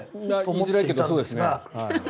言いづらいけどそうですね。